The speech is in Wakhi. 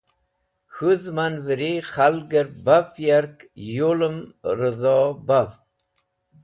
K̃hũ zẽmanvẽri khalgẽr baf yarkẽr yulẽm rẽdho baf.